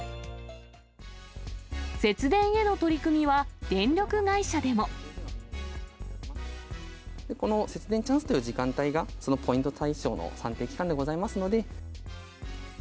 節電への取り組みは、この節電チャンスという時間帯が、そのポイント対象の判定期間でございますので。